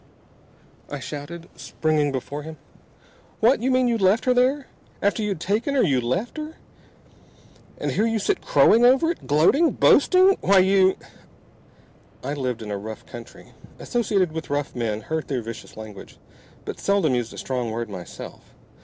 I shouted, springing before him. "What! You mean you left her there! After you'd taken her, you left her! And here you sit crowing over it! Gloating! Boasting! Why you !" I lived in a rough country. Associated with rough men, heard their vicious language, but seldom used a strong word myself.